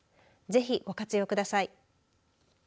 ぜひ、ご活用ください。